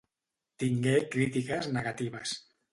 Tingué crítiques negatives.